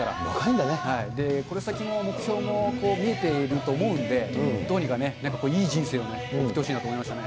この先の目標も見えていると思うんで、どうにかね、いい人生を送ってほしいなと思いましたね。